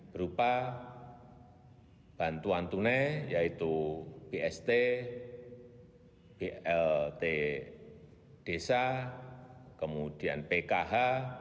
berupa bantuan tunai yaitu bst blt desa kemudian pkh